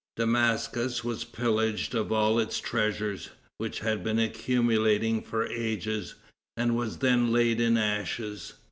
Damascus was pillaged of all its treasures, which had been accumulating for ages, and was then laid in ashes.